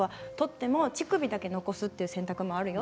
乳首だけ残すという選択もあるよ